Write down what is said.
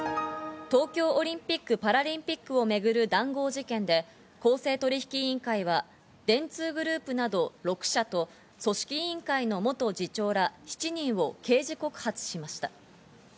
東京オリンピック・パラリンピックを巡る談合事件で公正取引委員会は、電通グループなど６社と、組織委員会の元次長ら７人を刑事告発しました。